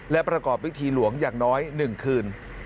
และประกอบพิธีหลวงอย่างน้อย๑คืน